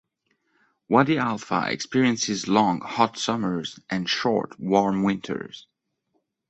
Wadi Halfa experiences long, hot summers and short, warm winters.